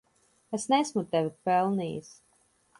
Es neesmu tevi pelnījis.